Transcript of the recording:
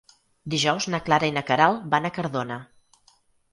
Dijous na Clara i na Queralt van a Cardona.